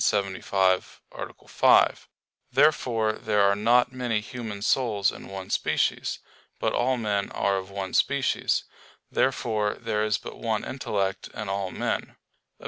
75, A. 5). Therefore there are not many human souls in one species. But all men are of one species. Therefore there is but one intellect in all men. Obj.